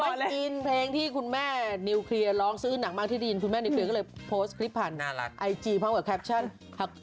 บอกคุณมากที่คุณแม่นิวเคลียร์ล้องซื้อหลางมากที่ได้ยินคุณแม่นิวเคลียร์ก็เลยโพสต์คลิปผ่านไอจีพักกับแคปชั่นนี้